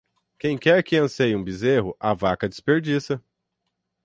Quem quer que anseie um bezerro, a vaca desperdiça.